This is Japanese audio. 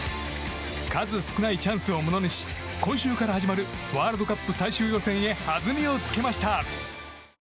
数少ないチャンスをものにし今週から始まるワールドカップ最終予選へはずみをつけました。